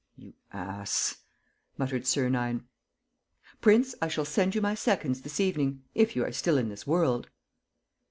"You ass!" muttered Sernine. "Prince, I shall send you my seconds this evening ... if you are still in this world."